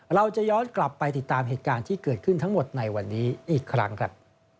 เราจะย้อนกลับไปติดตามเหตุการณ์ที่เกิดขึ้นทั้งหมดในวันนี้อีกครั้งครับ